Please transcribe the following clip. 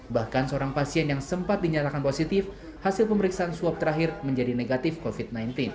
bahkan seorang pasien yang sempat dinyatakan positif hasil pemeriksaan swab terakhir menjadi negatif covid sembilan belas